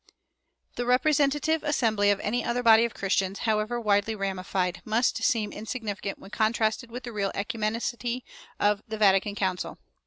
The representative assembly of any other body of Christians, however widely ramified, must seem insignificant when contrasted with the real ecumenicity of the Vatican Council.